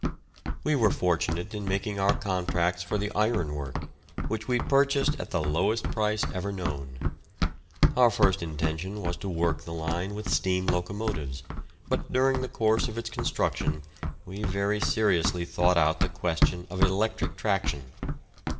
We were fortunate in making our contracts for the ironwork, which we purchased at the lowest price ever known. Our first intention was to work the line with steam locomotives, but during the course of its construction we very seriously thought out the question of electric traction.